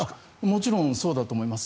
もちろんそうだと思います。